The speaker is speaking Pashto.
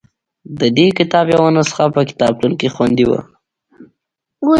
د دې کتاب یوه نسخه په کتابتون کې خوندي وه.